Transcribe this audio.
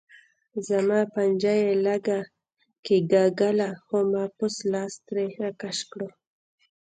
زما پنجه یې لږه کېګاږله خو ما پوست لاس ترې راکش کړو.